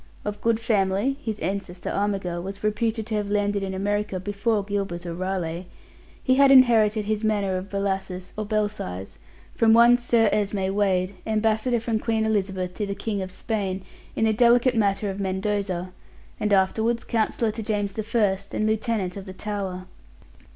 Of good family (his ancestor, Armigell, was reputed to have landed in America before Gilbert or Raleigh), he had inherited his manor of Bellasis, or Belsize, from one Sir Esme Wade, ambassador from Queen Elizabeth to the King of Spain in the delicate matter of Mendoza, and afterwards counsellor to James I, and Lieutenant of the Tower.